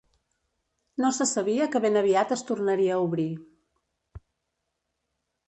No se sabia que ben aviat es tornaria a obrir.